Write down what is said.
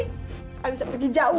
saya bisa pergi jauh